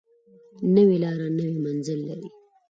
نوې لاره نوی منزل لري